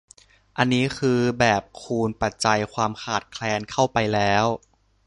อันนี้คือแบบคูณปัจจัยความขาดแคลนเข้าไปแล้ว